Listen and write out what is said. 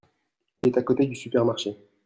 Il est à côté du supermarché.